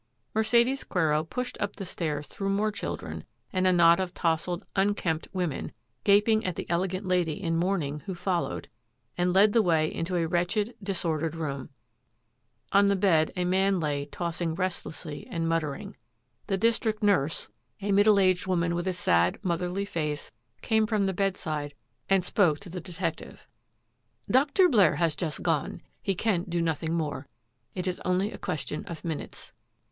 Mercedes Quero pushed up the stairs through more children and a knot of tousled, unkempt women, gaping at the elegant lady in mourning who followed, and led the way into a wretched, disordered room. On the bed a man lay tossing restlessly and muttering. The district nurse, a 232 THAT AFFAIR AT THE MANOR • middle aged woman with a sad, motherly face, came from the bedside and spoke to the detective. ^^ Dr. Blair has just gone. He can do nothing more. It is only a question of minutes.